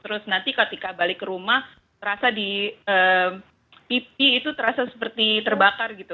terus nanti ketika balik ke rumah terasa di pipi itu terasa seperti terbakar gitu